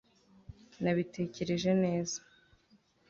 nabitekereje neza